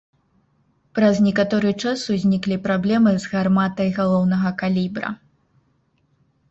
Праз некаторы час узніклі праблемы з гарматай галоўнага калібра.